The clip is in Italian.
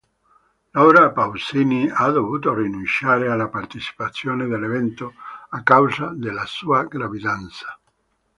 Laura Pausini ha dovuto rinunciare alla partecipazione dell'evento a causa della sua gravidanza.